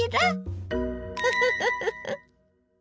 フフフフフ！